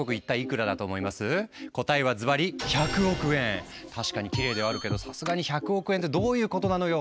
答えはズバリ確かにきれいではあるけど「さすがに１００億円ってどういうことなのよ？」